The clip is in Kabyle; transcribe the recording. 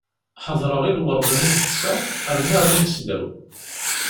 Ḥeḍreɣ i lwerḍ mi yefsa, rniɣ mi yeslaw.